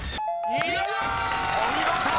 ［お見事！］